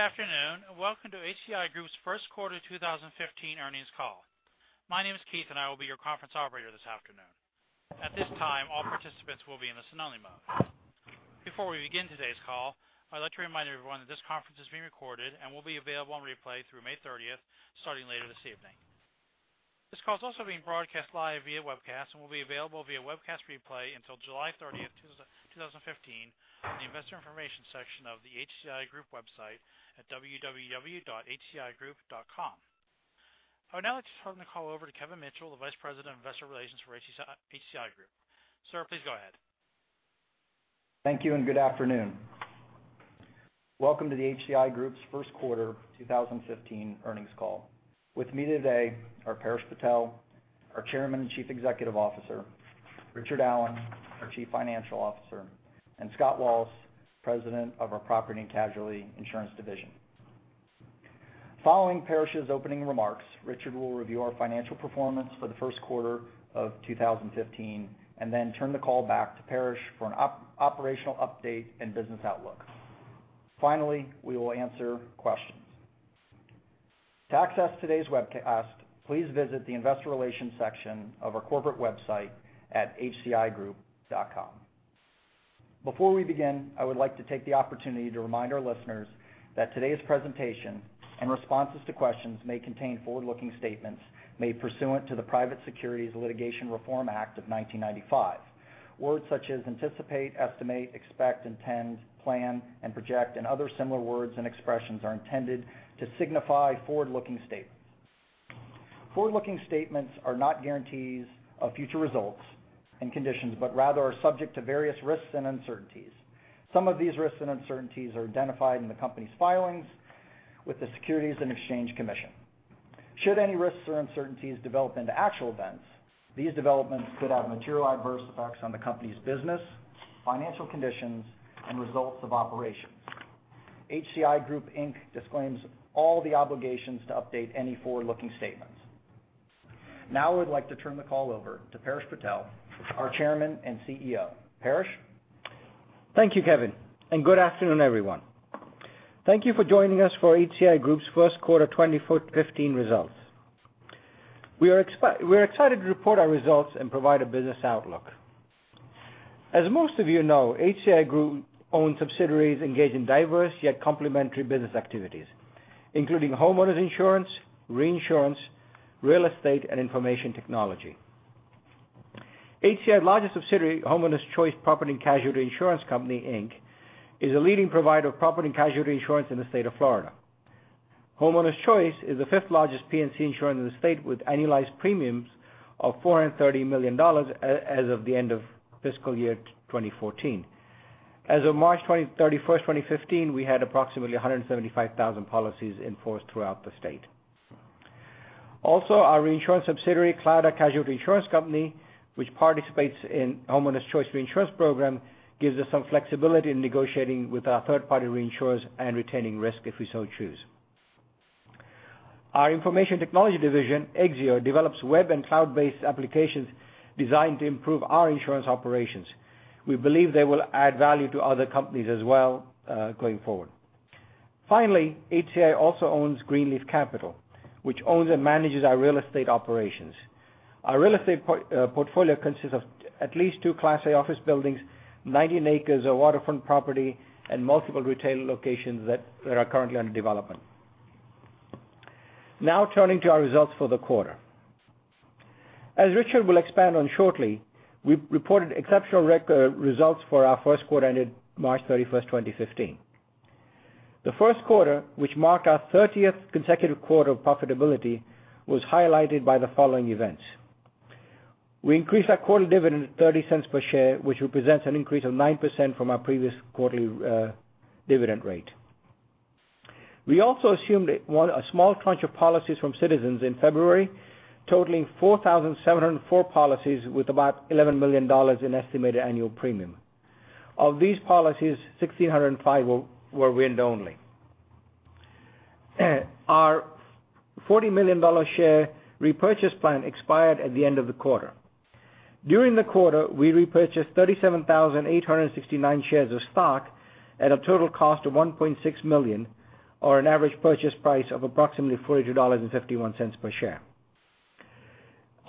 Good afternoon. Welcome to HCI Group's first quarter 2015 earnings call. My name is Keith, and I will be your conference operator this afternoon. At this time, all participants will be in listen-only mode. Before we begin today's call, I'd like to remind everyone that this conference is being recorded and will be available on replay through May 30th, starting later this evening. This call is also being broadcast live via webcast and will be available via webcast replay until July 30th, 2015, on the investor information section of the HCI Group website at hcigroup.com. I would now like to turn the call over to Kevin Mitchell, the Vice President of Investor Relations for HCI Group. Sir, please go ahead. Thank you. Good afternoon. Welcome to the HCI Group's first quarter 2015 earnings call. With me today are Paresh Patel, our Chairman and Chief Executive Officer, Richard Allen, our Chief Financial Officer, and Scott Wallace, President of our Property and Casualty Insurance division. Following Paresh's opening remarks, Richard will review our financial performance for the first quarter of 2015. Then turn the call back to Paresh for an operational update and business outlook. Finally, we will answer questions. To access today's webcast, please visit the investor relations section of our corporate website at hcigroup.com. Before we begin, I would like to take the opportunity to remind our listeners that today's presentation and responses to questions may contain forward-looking statements made pursuant to the Private Securities Litigation Reform Act of 1995. Words such as anticipate, estimate, expect, intend, plan, and project, and other similar words and expressions are intended to signify forward-looking statements. Forward-looking statements are not guarantees of future results and conditions. Rather are subject to various risks and uncertainties. Some of these risks and uncertainties are identified in the company's filings with the Securities and Exchange Commission. Should any risks or uncertainties develop into actual events, these developments could have material adverse effects on the company's business, financial conditions, and results of operations. HCI Group, Inc. disclaims all the obligations to update any forward-looking statements. I would like to turn the call over to Paresh Patel, our Chairman and CEO. Paresh? Thank you, Kevin. Good afternoon, everyone. Thank you for joining us for HCI Group's first quarter 2015 results. We're excited to report our results and provide a business outlook. As most of you know, HCI Group owns subsidiaries engaged in diverse yet complementary business activities, including homeowners insurance, reinsurance, real estate, and information technology. HCI's largest subsidiary, Homeowners Choice Property & Casualty Insurance Company, Inc., is a leading provider of property and casualty insurance in the state of Florida. Homeowners Choice is the fifth-largest P&C insurer in the state with annualized premiums of $430 million as of the end of fiscal year 2014. As of March 31st, 2015, we had approximately 175,000 policies in force throughout the state. Our reinsurance subsidiary, Claddaugh Casualty Insurance Company, which participates in Homeowners Choice reinsurance program, gives us some flexibility in negotiating with our third-party reinsurers and retaining risk if we so choose. Our information technology division, Exzeo, develops web and cloud-based applications designed to improve our insurance operations. We believe they will add value to other companies as well going forward. Finally, HCI also owns Greenleaf Capital, which owns and manages our real estate operations. Our real estate portfolio consists of at least 2 class A office buildings, 90 acres of waterfront property, and multiple retail locations that are currently under development. Turning to our results for the quarter. As Richard will expand on shortly, we reported exceptional results for our first quarter ended March 31st, 2015. The first quarter, which marked our 30th consecutive quarter of profitability, was highlighted by the following events. We increased our quarterly dividend to $0.30 per share, which represents an increase of 9% from our previous quarterly dividend rate. We also assumed a small crunch of policies from Citizens in February, totaling 4,704 policies with about $11 million in estimated annual premium. Of these policies, 1,605 were wind-only. Our $40 million share repurchase plan expired at the end of the quarter. During the quarter, we repurchased 37,869 shares of stock at a total cost of $1.6 million, or an average purchase price of approximately $400.51 per share.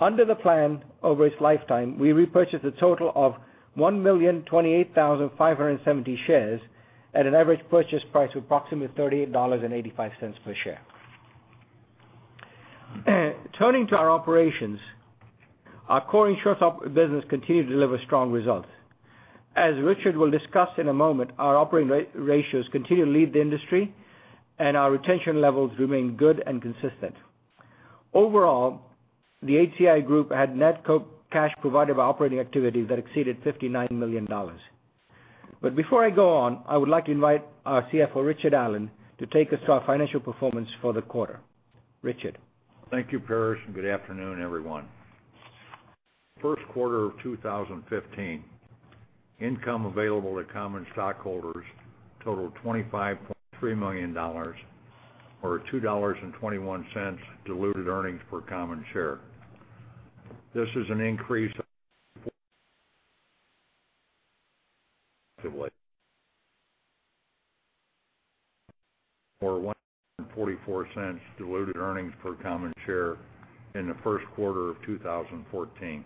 Under the plan over its lifetime, we repurchased a total of 1,028,570 shares at an average purchase price of approximately $38.85 per share. Turning to our operations, our core insurance business continued to deliver strong results. As Richard will discuss in a moment, our operating ratios continue to lead the industry, and our retention levels remain good and consistent. Overall, the HCI Group had net cash provided by operating activities that exceeded $59 million. Before I go on, I would like to invite our CFO, Richard Allen, to take us through our financial performance for the quarter. Richard? Thank you, Paresh. Good afternoon, everyone. First quarter of 2015, income available to common stockholders totaled $25.3 million or $2.21 diluted earnings per common share. This is an increase of $0.144 diluted earnings per common share in the first quarter of 2014.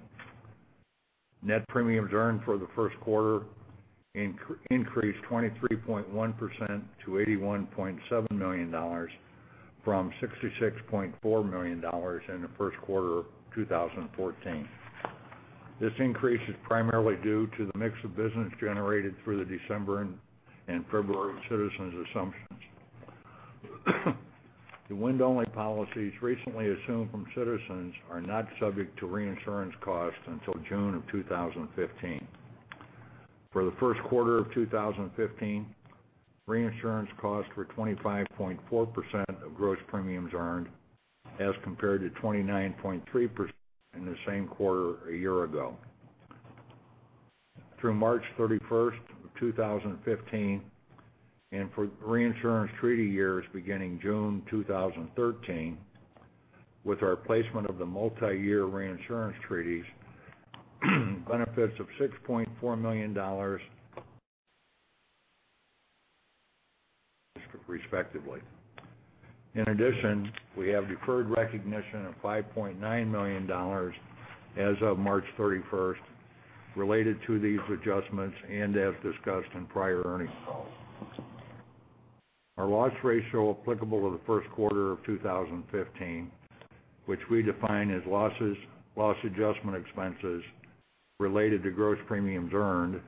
Net premiums earned for the first quarter increased 23.1% to $81.7 million from $66.4 million in the first quarter of 2014. This increase is primarily due to the mix of business generated through the December and February Citizens assumptions. The wind-only policies recently assumed from Citizens are not subject to reinsurance costs until June of 2015. For the first quarter of 2015, reinsurance costs were 25.4% of gross premiums earned, as compared to 29.3% in the same quarter a year ago. Through March 31st of 2015, and for reinsurance treaty years beginning June 2013, with our placement of the multiyear reinsurance treaties, benefits of $6.4 million respectively. In addition, we have deferred recognition of $5.9 million as of March 31st related to these adjustments and as discussed in prior earnings calls. Our loss ratio applicable to the first quarter of 2015, which we define as loss adjustment expenses related to gross premiums earned,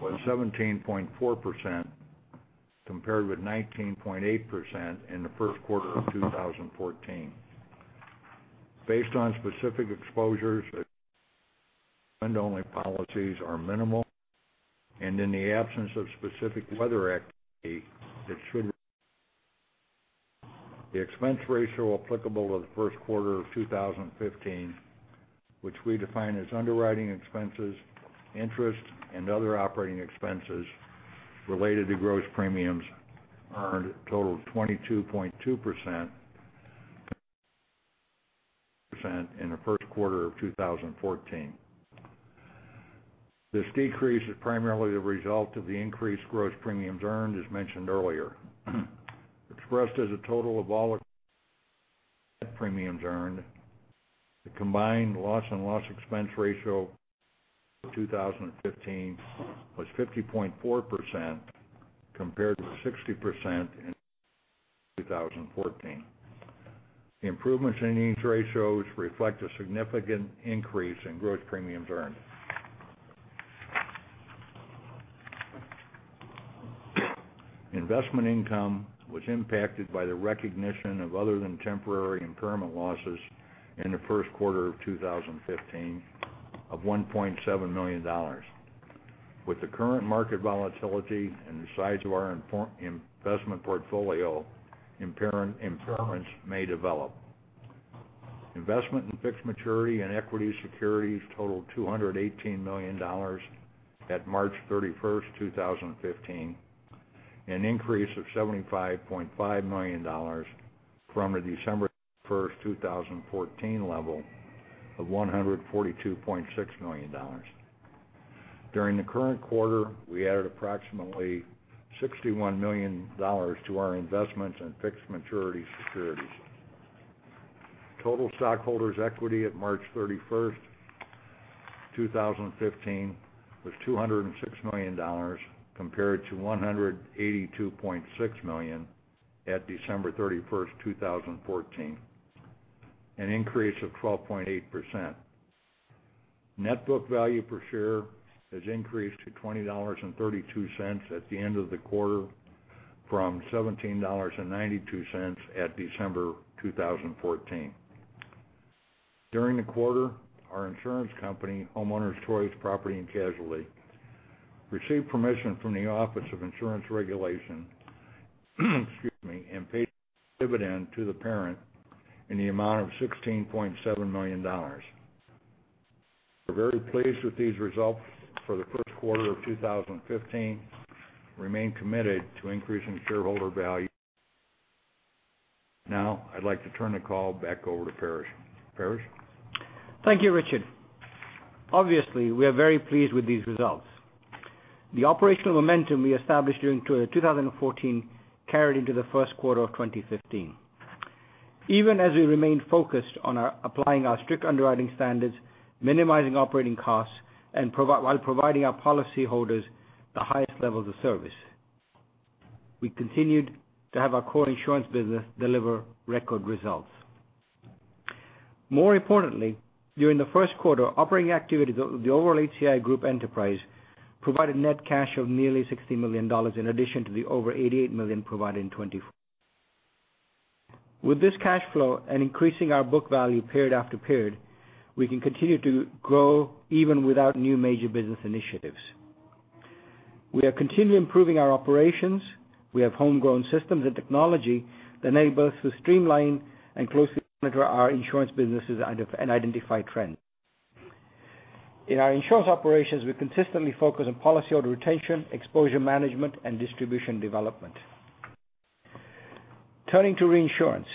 was 17.4% compared with 19.8% in the first quarter of 2014. Based on specific exposures wind-only policies are minimal, and in the absence of specific weather activity, it should. The expense ratio applicable to the first quarter of 2015, which we define as underwriting expenses, interest, and other operating expenses related to gross premiums earned a total of 22.2% in the first quarter of 2014. This decrease is primarily the result of the increased gross premiums earned, as mentioned earlier. Expressed as a total of all premiums earned, the combined loss and loss expense ratio 2015 was 50.4% compared to 60% in 2014. Improvements in these ratios reflect a significant increase in gross premiums earned. Investment income was impacted by the recognition of other-than-temporary impairment losses in the first quarter of 2015 of $1.7 million. With the current market volatility and the size of our investment portfolio, impairments may develop. Investment in fixed maturity and equity securities totaled $218 million at March 31st, 2015, an increase of $75.5 million from the December 1st, 2014 level of $142.6 million. During the current quarter, we added approximately $61 million to our investments in fixed maturity securities. Total stockholders' equity at March 31st, 2015, was $206 million, compared to $182.6 million at December 31st, 2014, an increase of 12.8%. Net book value per share has increased to $20.32 at the end of the quarter from $17.92 at December 2014. During the quarter, our insurance company, Homeowners Choice Property & Casualty, received permission from the Office of Insurance Regulation, and paid a dividend to the parent in the amount of $16.7 million. We're very pleased with these results for the first quarter of 2015, and remain committed to increasing shareholder value. I'd like to turn the call back over to Paresh. Paresh? Thank you, Richard. Obviously, we are very pleased with these results. The operational momentum we established during 2014 carried into the first quarter of 2015. Even as we remained focused on applying our strict underwriting standards, minimizing operating costs, while providing our policyholders the highest levels of service. We continued to have our core insurance business deliver record results. More importantly, during the first quarter, operating activity of the overall HCI Group enterprise provided net cash of nearly $60 million in addition to the over $88 million provided in 2014. With this cash flow and increasing our book value period after period, we can continue to grow even without new major business initiatives. We are continually improving our operations. We have homegrown systems and technology that enable us to streamline and closely monitor our insurance businesses and identify trends. In our insurance operations, we consistently focus on policyholder retention, exposure management, and distribution development. Turning to reinsurance.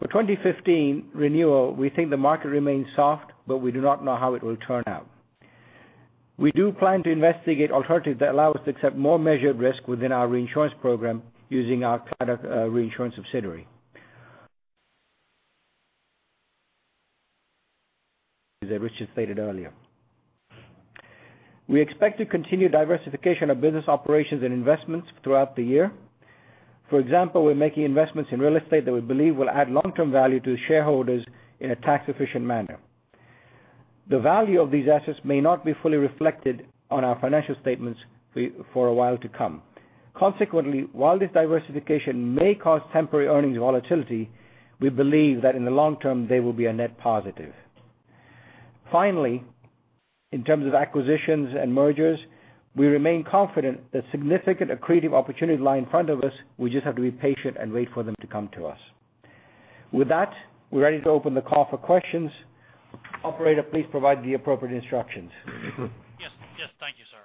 For 2015 renewal, we think the market remains soft. We do not know how it will turn out. We do plan to investigate alternatives that allow us to accept more measured risk within our reinsurance program using our product reinsurance subsidiary. As Richard stated earlier. We expect to continue diversification of business operations and investments throughout the year. For example, we're making investments in real estate that we believe will add long-term value to the shareholders in a tax-efficient manner. The value of these assets may not be fully reflected on our financial statements for a while to come. Consequently, while this diversification may cause temporary earnings volatility, we believe that in the long term, they will be a net positive. Finally, in terms of acquisitions and mergers, we remain confident that significant accretive opportunities lie in front of us. We just have to be patient and wait for them to come to us. With that, we're ready to open the call for questions. Operator, please provide the appropriate instructions. Yes. Thank you, sir.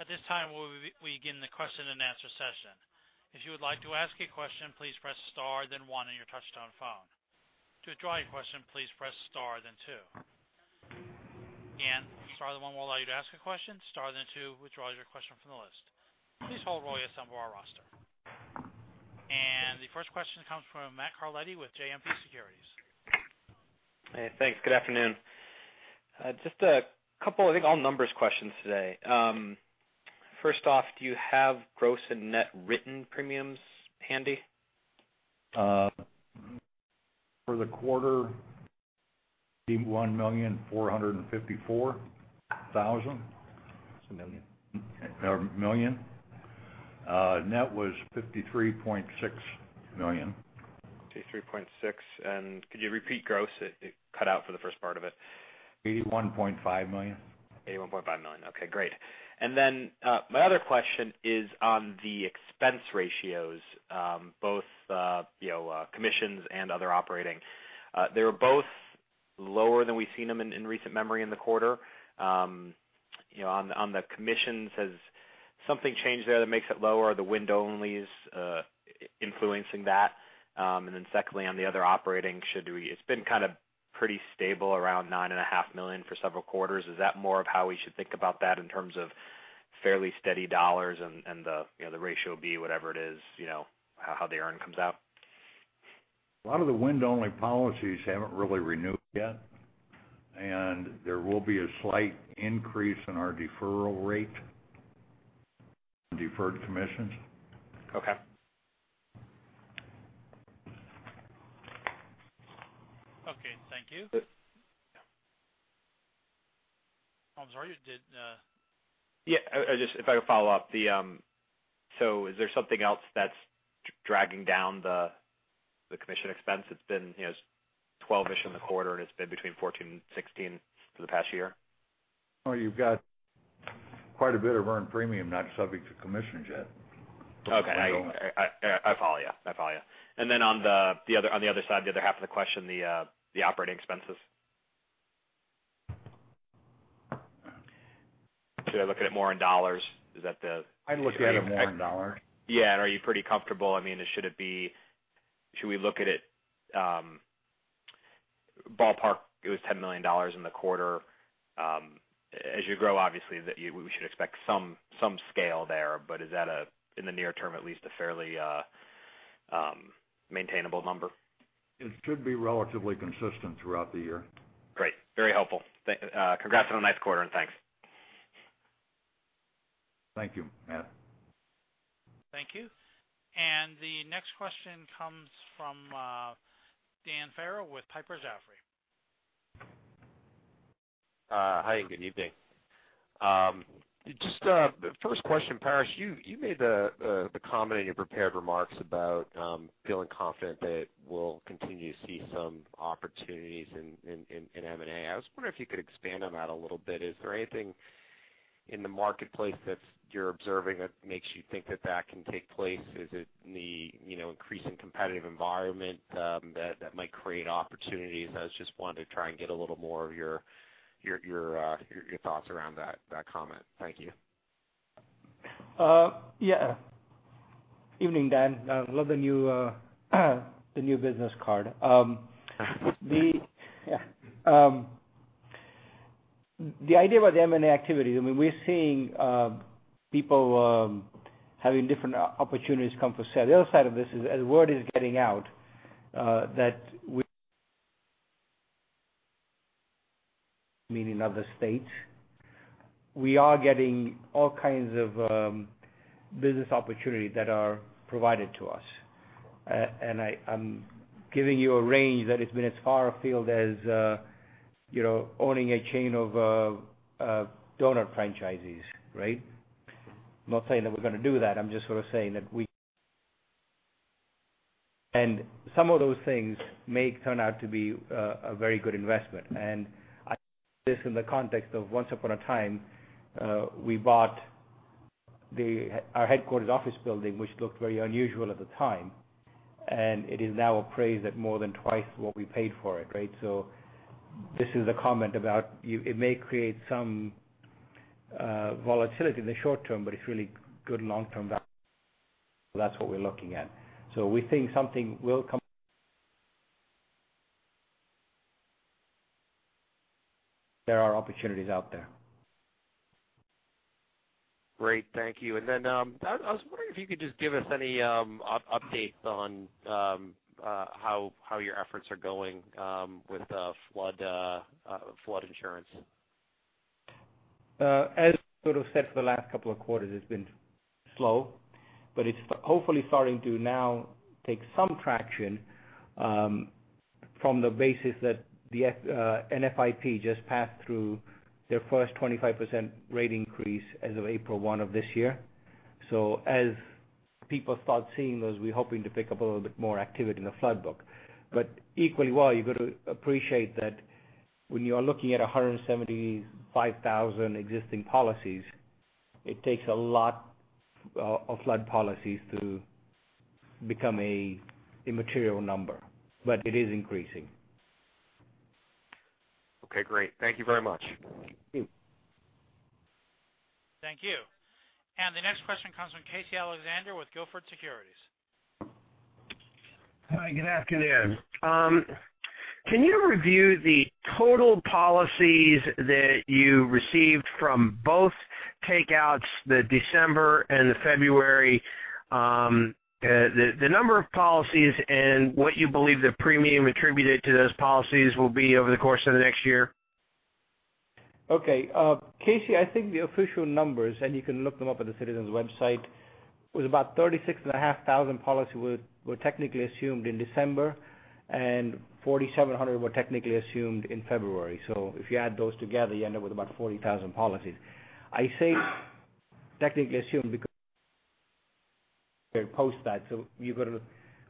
At this time, we begin the question and answer session. If you would like to ask a question, please press star then one on your touchtone phone. To withdraw your question, please press star, then two. Again, star then one will allow you to ask a question, star then two withdraws your question from the list. Please hold while I assemble our roster. The first question comes from Matt Carletti with JMP Securities. Hey, thanks. Good afternoon. Just a couple of, I think, all numbers questions today. First off, do you have gross and net written premiums handy? For the quarter, $81,454,000. It's a million. Or million. Net was $53.6 million. 53.6. Could you repeat gross? It cut out for the first part of it. $81.5 million. $81.5 million. Okay, great. My other question is on the expense ratios, both commissions and other operating. They were both lower than we've seen them in recent memory in the quarter. On the commissions, has something changed there that makes it lower? Are the wind-onlys influencing that? Secondly, on the other operating, it's been kind of pretty stable around $nine and a half million for several quarters. Is that more of how we should think about that in terms of fairly steady dollars and the ratio be whatever it is, how the earn comes out? A lot of the wind-only policies haven't really renewed yet, and there will be a slight increase in our deferral rate on deferred commissions. Okay. Okay. Thank you. Oh, I'm sorry. Yeah. If I could follow up. Is there something else that's dragging down the commission expense? It's been 12-ish in the quarter, and it's been between 14 and 16 for the past year. No, you've got quite a bit of earned premium not subject to commissions yet. Okay. I follow you. Then on the other side, the other half of the question, the operating expenses. Should I look at it more in dollars? I'd look at it more in dollars. Are you pretty comfortable? Should we look at it, ballpark, it was $10 million in the quarter. As you grow, obviously, we should expect some scale there. Is that, in the near term at least, a fairly maintainable number? It should be relatively consistent throughout the year. Great. Very helpful. Congrats on a nice quarter. Thanks. Thank you, Matt. Thank you. The next question comes from Dan Farrell with Piper Jaffray. Hi, good evening. Just first question, Paresh, you made the comment in your prepared remarks about feeling confident that we'll continue to see some opportunities in M&A. I was wondering if you could expand on that a little bit. Is there anything in the marketplace that you're observing that makes you think that that can take place? Is it the increasing competitive environment that might create opportunities? I just wanted to try and get a little more of your thoughts around that comment. Thank you. Yeah. Evening, Dan. Love the new business card. The idea about the M&A activity, we're seeing people having different opportunities come for sale. The other side of this is as word is getting out that we Meaning other states we are getting all kinds of business opportunities that are provided to us. I'm giving you a range that it's been as far afield as owning a chain of donut franchises. Right? I'm not saying that we're going to do that. I'm just sort of saying that we Some of those things may turn out to be a very good investment. I say this in the context of once upon a time, we bought our headquarters office building, which looked very unusual at the time, and it is now appraised at more than twice what we paid for it. Right? This is a comment about it may create some volatility in the short term, but it's really good long-term value. That's what we're looking at. We think something will come. There are opportunities out there. Great. Thank you. I was wondering if you could just give us any updates on how your efforts are going with flood insurance. As sort of said for the last couple of quarters, it's been slow, but it's hopefully starting to now take some traction from the basis that the NFIP just passed through their first 25% rate increase as of April 1 of this year. As people start seeing those, we're hoping to pick up a little bit more activity in the flood book. Equally, while you've got to appreciate that when you are looking at 175,000 existing policies, it takes a lot of flood policies to become a immaterial number, but it is increasing. Okay, great. Thank you very much. Thank you. Thank you. The next question comes from Casey Alexander with Gilford Securities. Hi, good afternoon. Can you review the total policies that you received from both takeouts, the December and the February, the number of policies and what you believe the premium attributed to those policies will be over the course of the next year? Okay. Casey, I think the official numbers, you can look them up on the Citizens website, was about 36,500 policy were technically assumed in December, 4,700 were technically assumed in February. If you add those together, you end up with about 40,000 policies. I say technically assumed because they post that, so you've got to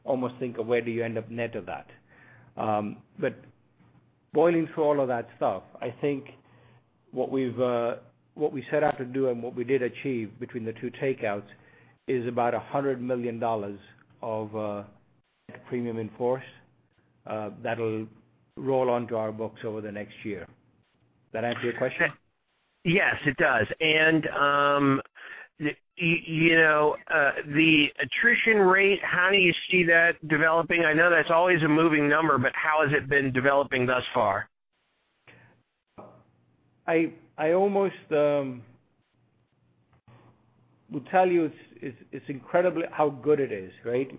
almost think of where do you end up net of that. Boiling through all of that stuff, I think what we set out to do and what we did achieve between the two takeouts is about $100 million of premium in force. That'll roll onto our books over the next year. That answer your question? Yes, it does. The attrition rate, how do you see that developing? I know that's always a moving number, but how has it been developing thus far? I almost will tell you it's incredible how good it is, right?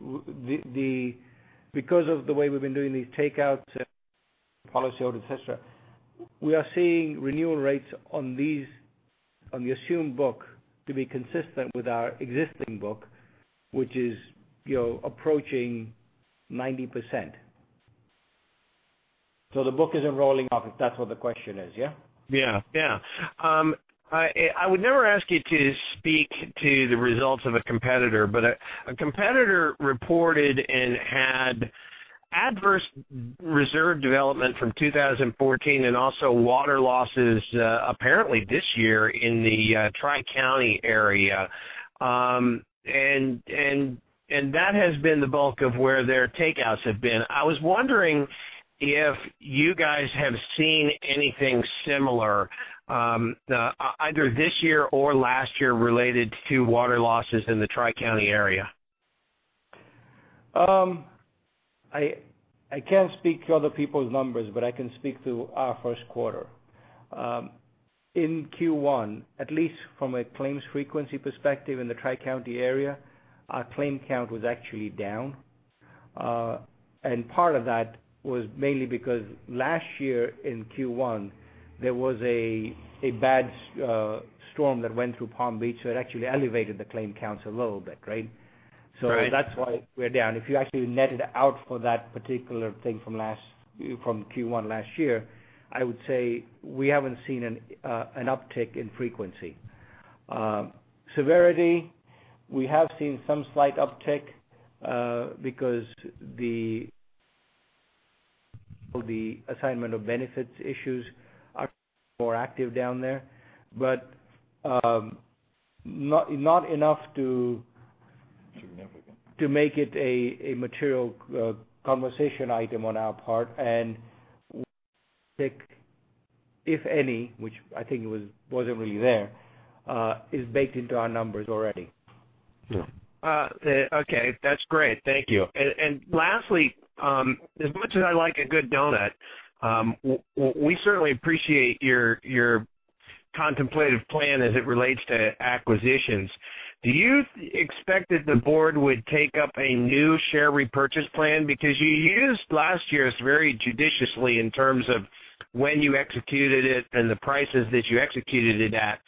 Because of the way we've been doing these takeouts, policyholder, et cetera, we are seeing renewal rates on the assumed book to be consistent with our existing book, which is approaching 90%. The book isn't rolling off, if that's what the question is, yeah? Yeah. I would never ask you to speak to the results of a competitor, but a competitor reported and had adverse reserve development from 2014 and also water losses apparently this year in the Tri-County area. That has been the bulk of where their takeouts have been. I was wondering if you guys have seen anything similar either this year or last year related to water losses in the Tri-County area. I can't speak to other people's numbers, but I can speak to our first quarter. In Q1, at least from a claims frequency perspective in the Tri-County area, our claim count was actually down. Part of that was mainly because last year in Q1, there was a bad storm that went through Palm Beach that actually elevated the claim count a little bit, right? Right. That's why we're down. If you actually net it out for that particular thing from Q1 last year, I would say we haven't seen an uptick in frequency. Severity, we have seen some slight uptick because the Assignment of Benefits issues are more active down there, but not enough. Significant. To make it a material conversation item on our part. If any, which I think it wasn't really there, is baked into our numbers already. Yeah. Okay. That's great. Thank you. Lastly, as much as I like a good donut, we certainly appreciate your contemplative plan as it relates to acquisitions. Do you expect that the board would take up a new share repurchase plan? You used last year's very judiciously in terms of when you executed it and the prices that you executed it at.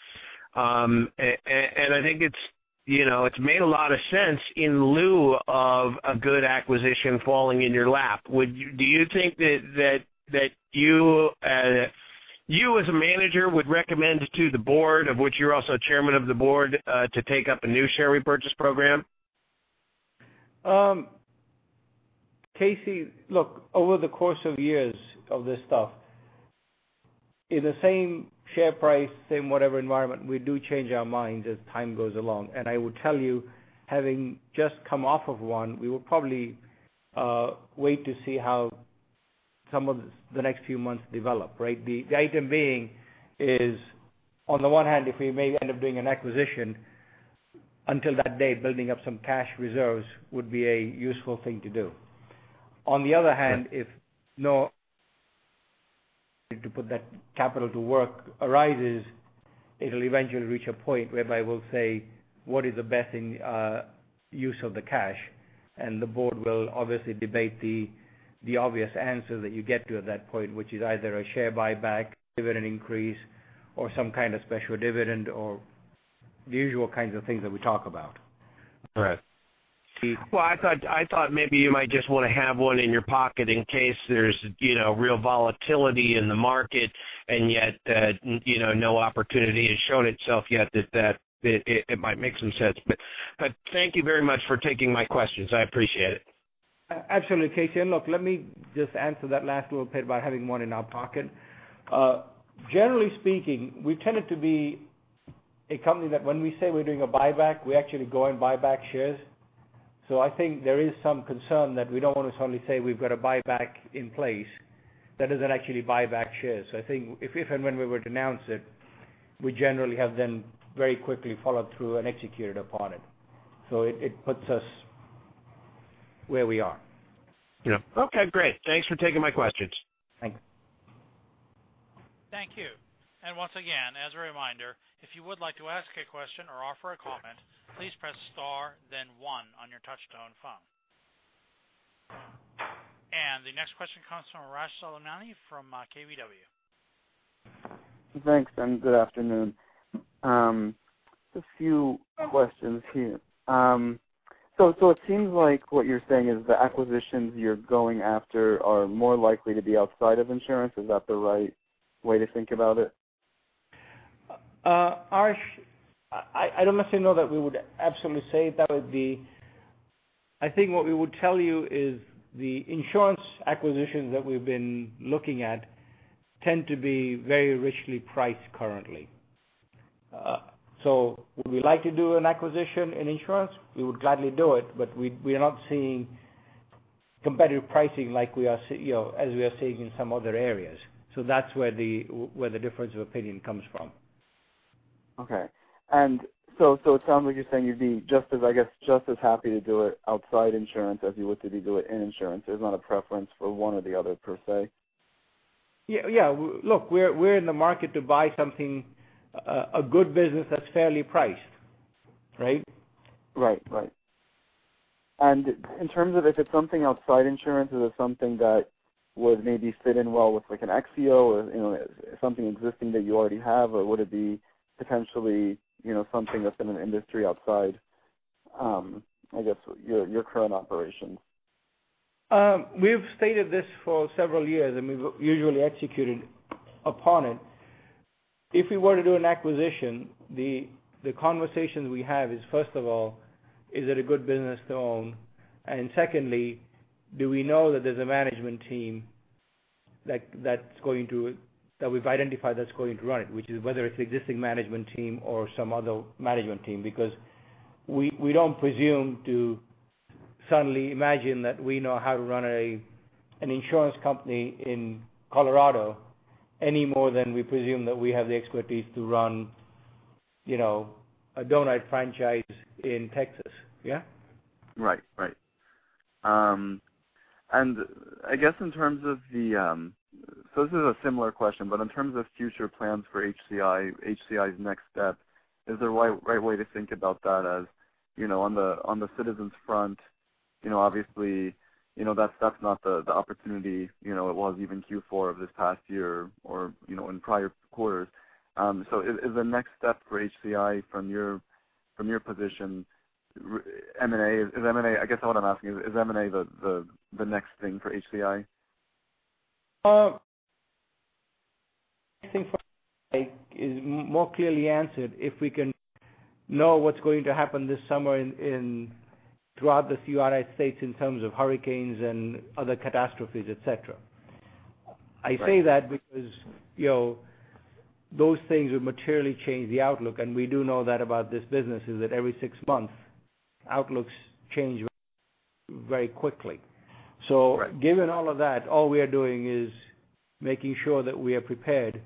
I think it's made a lot of sense in lieu of a good acquisition falling in your lap. Do you think that you as a manager, would recommend to the board, of which you're also Chairman of the Board, to take up a new share repurchase program? Casey, look, over the course of years of this stuff, in the same share price, same whatever environment, we do change our minds as time goes along. I will tell you, having just come off of one, we will probably wait to see how some of the next few months develop, right? The item being is, on the one hand, if we may end up doing an acquisition, until that day, building up some cash reserves would be a useful thing to do. On the other hand, if no to put that capital to work arises, it'll eventually reach a point whereby we'll say, "What is the best use of the cash?" The board will obviously debate the obvious answer that you get to at that point, which is either a share buyback, dividend increase, or some kind of special dividend or the usual kinds of things that we talk about. Correct. Well, I thought maybe you might just want to have one in your pocket in case there's real volatility in the market, and yet no opportunity has shown itself yet, that it might make some sense. Thank you very much for taking my questions. I appreciate it. Absolutely, Casey. Look, let me just answer that last little bit about having one in our pocket. Generally speaking, we've tended to be a company that when we say we're doing a buyback, we actually go and buy back shares. I think there is some concern that we don't want to suddenly say we've got a buyback in place that doesn't actually buy back shares. I think if and when we were to announce it, we generally have then very quickly followed through and executed upon it. It puts us where we are. Yeah. Okay, great. Thanks for taking my questions. Thank you. Thank you. Once again, as a reminder, if you would like to ask a question or offer a comment, please press star then one on your touch-tone phone. The next question comes from Arash Soleimani from KBW. Thanks, good afternoon. Just a few questions here. It seems like what you're saying is the acquisitions you're going after are more likely to be outside of insurance. Is that the right way to think about it? Arash, I don't necessarily know that we would absolutely say that would be I think what we would tell you is the insurance acquisitions that we've been looking at tend to be very richly priced currently. Would we like to do an acquisition in insurance? We would gladly do it, we are not seeing competitive pricing as we are seeing some other areas. That's where the difference of opinion comes from. Okay. It sounds like you're saying you'd be just as happy to do it outside insurance as you would to do it in insurance. There's not a preference for one or the other per se? Yeah. Look, we're in the market to buy something, a good business that's fairly priced. Right? Right. In terms of if it's something outside insurance, is it something that would maybe fit in well with, like an Exzeo or something existing that you already have, or would it be potentially something that's in an industry outside, I guess, your current operations? We've stated this for several years, and we've usually executed upon it. If we were to do an acquisition, the conversations we have is, first of all, is it a good business to own? Secondly, do we know that there's a management team that we've identified that's going to run it, which is whether it's existing management team or some other management team, because we don't presume to suddenly imagine that we know how to run an insurance company in Colorado any more than we presume that we have the expertise to run a donut franchise in Texas. Yeah? Right. I guess in terms of the this is a similar question, but in terms of future plans for HCI's next step, is the right way to think about that as on the Citizens front, obviously, that stuff's not the opportunity it was even Q4 of this past year or in prior quarters. Is the next step for HCI from your position, M&A? I guess what I'm asking is M&A the next thing for HCI? Well, I think for is more clearly answered if we can know what's going to happen this summer throughout the few U.S. in terms of hurricanes and other catastrophes, et cetera. Right. I say that because those things would materially change the outlook, we do know that about this business, is that every six months, outlooks change very quickly. Right. Given all of that, all we are doing is making sure that we are prepared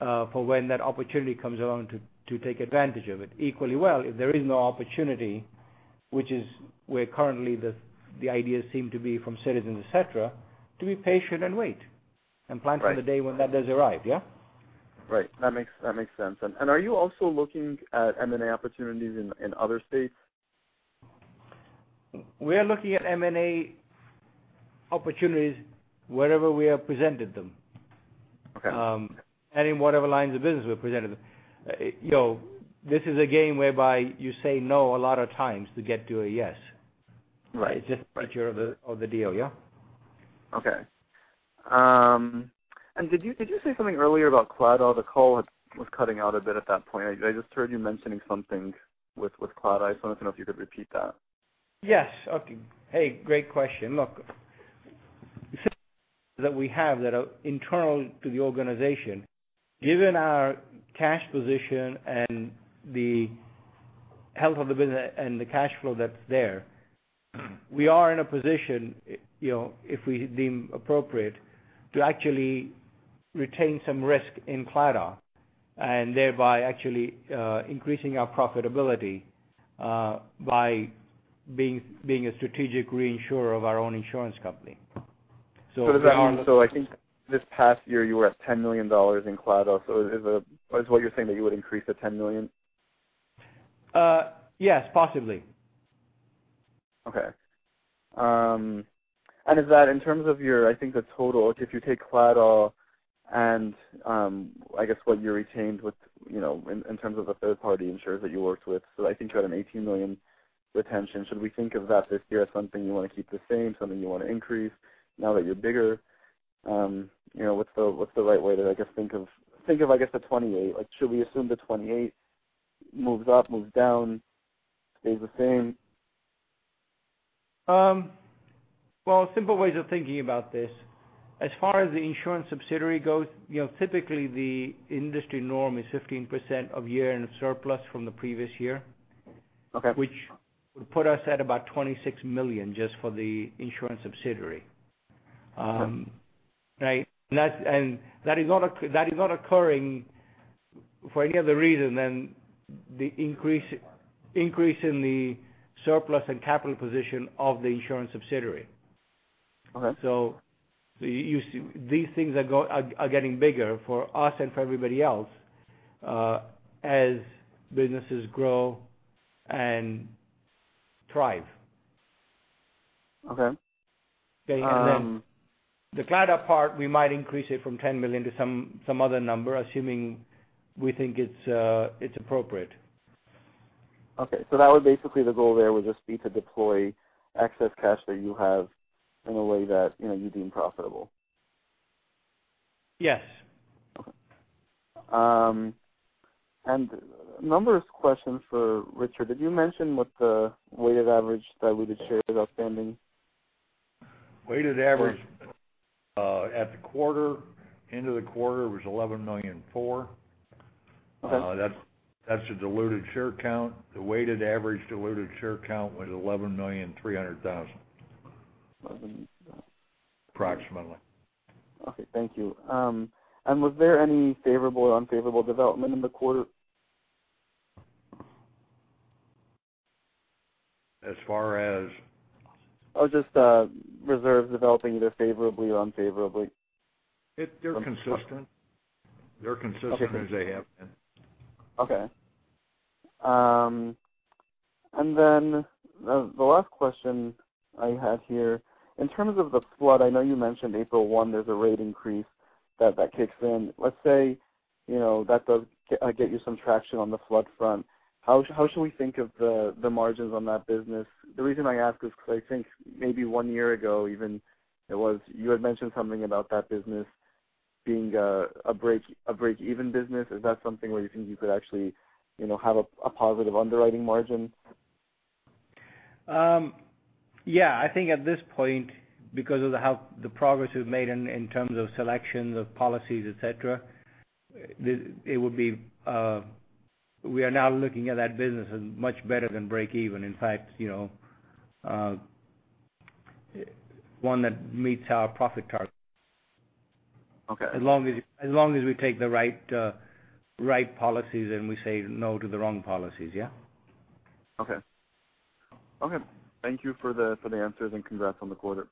for when that opportunity comes along to take advantage of it. Equally well, if there is no opportunity, which is where currently the ideas seem to be from Citizens, et cetera, to be patient and wait. Right. Plan for the day when that does arrive, yeah? Right. That makes sense. Are you also looking at M&A opportunities in other states? We are looking at M&A opportunities wherever we are presented them. Okay. In whatever lines of business we're presented them. This is a game whereby you say no a lot of times to get to a yes. Right. It's just the nature of the deal, yeah? Okay. Did you say something earlier about cloud? The call was cutting out a bit at that point. I just heard you mentioning something with cloud. I just want to know if you could repeat that. Yes. Okay. Hey, great question. Look, that we have that are internal to the organization. Given our cash position and the health of the business and the cash flow that's there. We are in a position, if we deem appropriate, to actually retain some risk in Claddaugh, and thereby actually increasing our profitability by being a strategic reinsurer of our own insurance company. I think this past year you were at $10 million in Claddaugh. Is what you're saying, that you would increase to $10 million? Yes, possibly. Is that in terms of your, I think, the total, if you take Claddaugh all and I guess what you retained in terms of a third party insurer that you worked with, so I think you had an $18 million retention. Should we think of that this year as something you want to keep the same, something you want to increase now that you're bigger? What's the right way to, I guess, think of the 28? Should we assume the 28 moves up, moves down, stays the same? Well, simple ways of thinking about this. As far as the insurance subsidiary goes, typically the industry norm is 15% of year-end surplus from the previous year. Okay. Which would put us at about $26 million just for the insurance subsidiary. Okay. Right. That is not occurring for any other reason than the increase in the surplus and capital position of the insurance subsidiary. Okay. You see these things are getting bigger for us and for everybody else as businesses grow and thrive. Okay. The Claddaugh part, we might increase it from $10 million to some other number, assuming we think it's appropriate. Okay, that would basically the goal there would just be to deploy excess cash that you have in a way that you deem profitable. Yes. Okay. Numbers question for Richard. Did you mention what the weighted average diluted shares outstanding? Weighted average at the end of the quarter was $11.4 million. Okay. That's the diluted share count. The weighted average diluted share count was 11,300,000. 11. Approximately. Okay, thank you. Was there any favorable or unfavorable development in the quarter? As far as? Just reserves developing either favorably or unfavorably. They're consistent. Okay. They're consistent as they have been. Okay. The last question I had here. In terms of the flood, I know you mentioned April 1, there's a rate increase that kicks in. Let's say that does get you some traction on the flood front. How should we think of the margins on that business? The reason I ask is because I think maybe one year ago even, you had mentioned something about that business being a breakeven business. Is that something where you think you could actually have a positive underwriting margin? Yeah, I think at this point, because of the progress we've made in terms of selections of policies, et cetera, we are now looking at that business as much better than breakeven. In fact, one that meets our profit target. Okay. As long as we take the right policies and we say no to the wrong policies, yeah? Okay. Thank you for the answers and congrats on the quarter.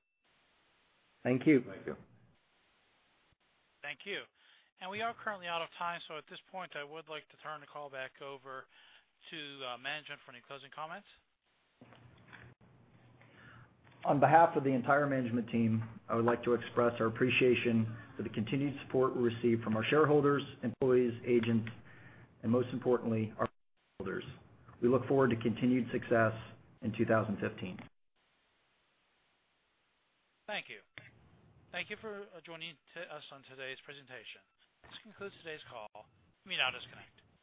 Thank you. Thank you. Thank you. We are currently out of time, at this point, I would like to turn the call back over to management for any closing comments. On behalf of the entire management team, I would like to express our appreciation for the continued support we receive from our shareholders, employees, agents, and most importantly, our policyholders. We look forward to continued success in 2015. Thank you. Thank you for joining us on today's presentation. This concludes today's call. You may now disconnect.